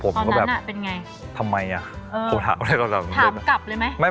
แล้วหลอกฮึดไหม